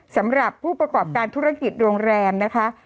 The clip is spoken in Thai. สำหรับผู้ประกอบการธุรกิจโรงแรมนะคะ